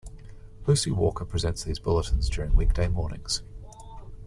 Lucy Walker presents these bulletins during weekday mornings.